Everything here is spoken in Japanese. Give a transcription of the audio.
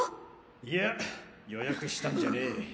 いや予約したんじゃねぇ。